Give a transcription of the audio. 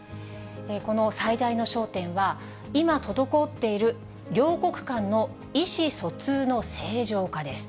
この最大の焦点は、今滞っている両国間の意思疎通の正常化です。